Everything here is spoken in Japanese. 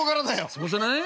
そうじゃない？